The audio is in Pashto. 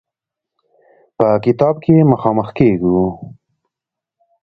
په کتاب کې مخامخ کېږو.